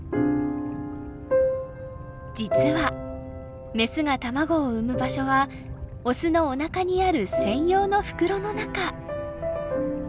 実はメスが卵を産む場所はオスのおなかにある専用の袋の中。